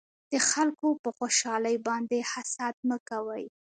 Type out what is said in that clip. د خلکو په خوشحالۍ باندې حسد مکوئ